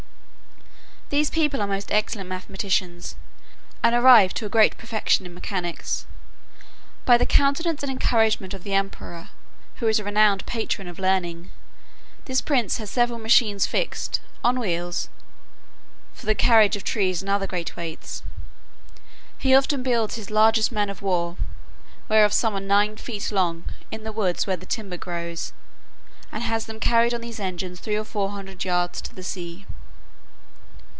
These people are most excellent mathematicians, and arrived to a great perfection in mechanics, by the countenance and encouragement of the emperor, who is a renowned patron of learning. This prince has several machines fixed on wheels, for the carriage of trees and other great weights. He often builds his largest men of war, whereof some are nine feet long, in the woods where the timber grows, and has them carried on these engines three or four hundred yards to the sea.